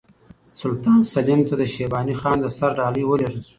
سلطان سلیم ته د شیباني خان د سر ډالۍ ولېږل شوه.